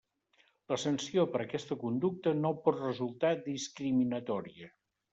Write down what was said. La sanció per aquesta conducta no pot resultar discriminatòria.